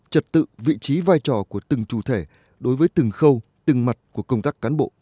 trật tự vị trí vai trò của từng chủ thể đối với từng khâu từng mặt của công tác cán bộ